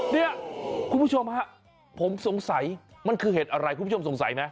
เนี่ยคุณผู้ชมฮะผมสงสัยมันคือเหตุอะไรคุณผู้ชมสงสัยไหม